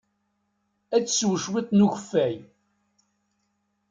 Ad tsew cwiṭ n ukeffay.